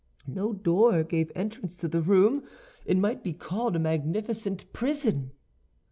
No door gave entrance to the room. It might be called a magnificent prison.